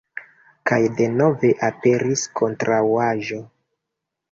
Kaj denove aperis kontraŭaĵo.